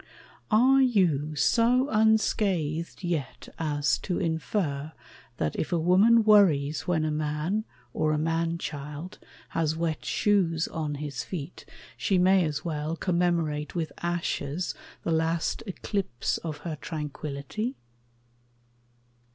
Are you so unscathed yet as to infer That if a woman worries when a man, Or a man child, has wet shoes on his feet She may as well commemorate with ashes The last eclipse of her tranquillity?